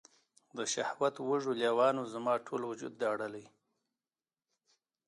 د شهوت وږو لیوانو، زما ټول وجود داړلي